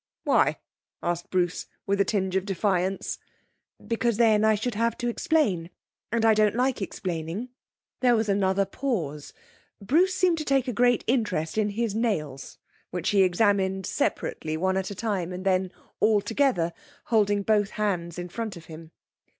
'Why?' asked Bruce, with a tinge of defiance. 'Because then I should have to explain. And I don't like explaining.' There was another pause. Bruce seemed to take a great interest in his nails, which he examined separately one at a time, and then all together, holding both hands in front of him.